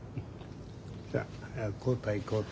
さっ交代交代。